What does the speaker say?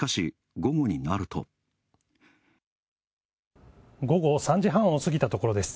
午後３時半を過ぎたところです。